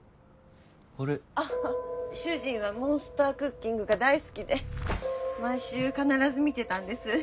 あれああ主人は「モンスタークッキング」が大好きで毎週必ず見てたんです